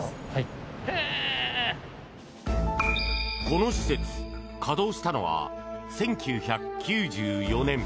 この施設稼働したのは１９９４年。